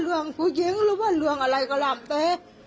มันมีแม่ด้วยมันมีแม่ด้วย